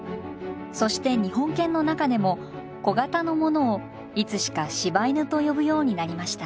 そして日本犬の中でも小型のものをいつしか柴犬と呼ぶようになりました。